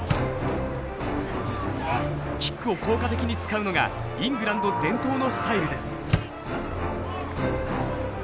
キックを効果的に使うのがイングランド伝統のスタイルです。